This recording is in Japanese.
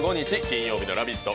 金曜日の「ラヴィット！」